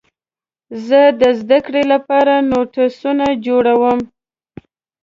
زه د زدهکړې لپاره نوټسونه جوړوم.